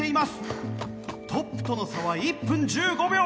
トップとの差は１分１５秒！